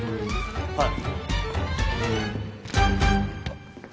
はい。